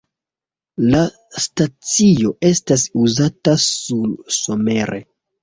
La stacio estas uzata nur somere.